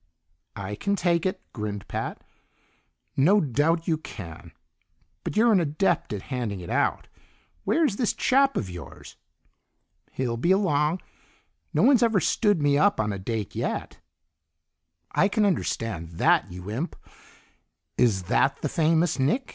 "I can take it," grinned Pat. "No doubt you can, but you're an adept at handing it out. Where's this chap of yours?" "He'll be along. No one's ever stood me up on a date yet." "I can understand that, you imp! Is that the famous Nick?"